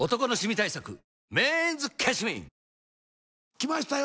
きましたよ